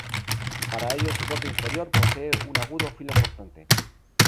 Para ello su borde inferior posee un agudo filo cortante.